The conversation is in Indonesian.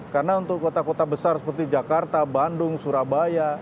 karena untuk kota kota besar seperti jakarta bandung surabaya